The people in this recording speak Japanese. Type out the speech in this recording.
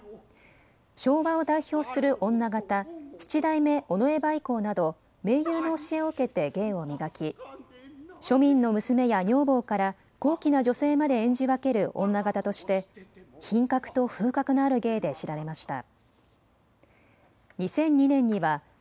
昭和を代表する女方七代目尾上梅幸など名優の教えを受けて芸を磨き庶民の娘や女房から高貴な女性まで演じ分ける女方として品格と風格のある芸で知られました。